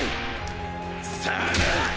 さあな！